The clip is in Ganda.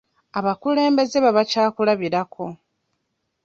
Abakulembeze baba kyakulabirako.